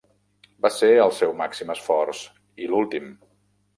Va ser el seu màxim esforç, i l'últim.